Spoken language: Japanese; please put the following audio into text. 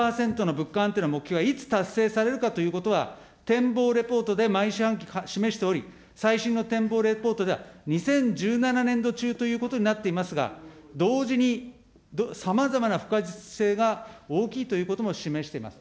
２％の物価安定の目標はいつ達成されるかということは、展望レポートで毎週、示しており、最新の展望レポートでは２０１７年度中となっていますが、同時にさまざまな不確実性が大きいことを示しています。